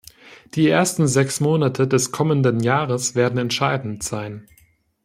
Die ersten sechs Monate des kommenden Jahres werden entscheidend sein.